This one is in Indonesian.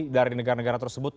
dari negara negara tersebut